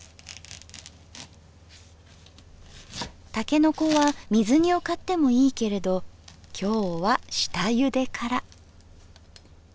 たけのこは水煮を買ってもいいけれど今日は下ゆでから。